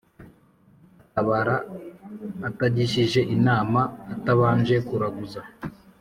Atabara atagishije inama, atabanje kuraguza